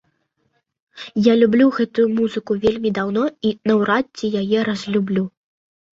Я люблю гэтую музыку вельмі даўно, і наўрад ці яе разлюблю.